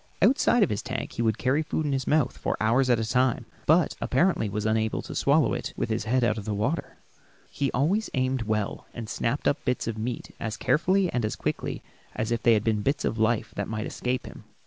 Outside of his tank he would carry food in his mouth for hours at a time, but apparently was unable to swallow it with his head out of water. He always aimed well, and snapped up bits of meat as carefully and as quickly as if they had been bits of life that might escape him.